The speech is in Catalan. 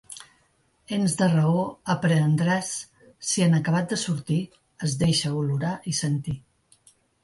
Ens de raó aprehendràs, si en acabant de sortir, es deixa olorar i sentir.